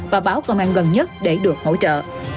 và báo công an gần nhất để được hỗ trợ